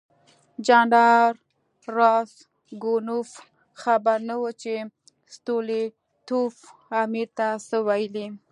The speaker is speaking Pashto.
جنرال راسګونوف خبر نه و چې ستولیتوف امیر ته څه ویلي.